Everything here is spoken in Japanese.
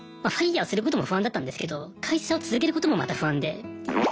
ＦＩＲＥすることも不安だったんですけど会社を続けることもまた不安で。